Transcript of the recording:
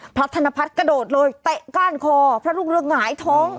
ธนพัฒน์กระโดดเลยเตะก้านคอพระรุ่งเรืองหงายท้อง